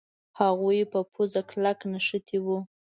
هغوی په پوزه کلک نښتي وو.